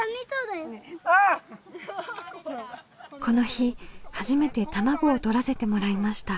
この日初めて卵をとらせてもらいました。